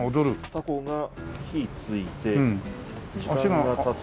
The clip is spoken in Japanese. タコが火付いて時間が経つと。